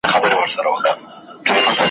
نه څپلۍ نه به جامې د چا غلاکیږي `